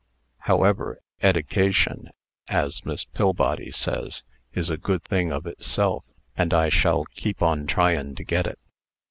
However, eddication, as Miss Pillbody says, is a good thing of itself, and I shall keep on tryin' to get it."